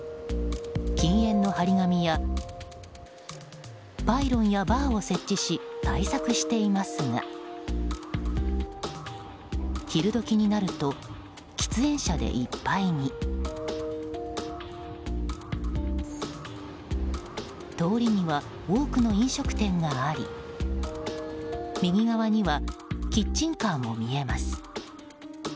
禁煙の貼り紙やパイロンやバーを設置し対策していますが昼時になると喫煙者でいっぱいに。通りには多くの飲食店があり右側にはキッチンカーも見えます。